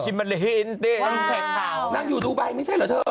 อจิมัลีน